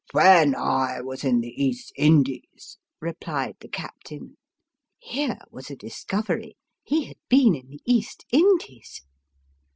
" When I was in the East Indies," replied the captain. (Here was a discovery he had been in the East Indies